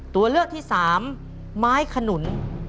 ตัวเลือกที่สามไม้ขนุน